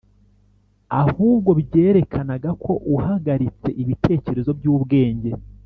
ahubwo byerekanaga ko uhagaritse ibitekerezo byubwenge.